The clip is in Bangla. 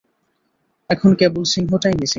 এখন কেবল সিংহটাই মিসিং।